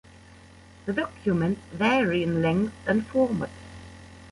The documents vary in length and format.